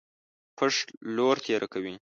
پښ لور تېره کوي.